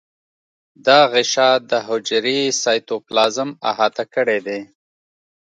دا غشا د حجرې سایتوپلازم احاطه کړی دی.